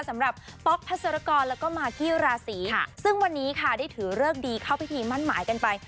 ป๊อกพัศรกรแล้วก็มากี้ราศีซึ่งวันนี้ค่ะได้ถือเลิกดีเข้าพิธีมั่นหมายกันไป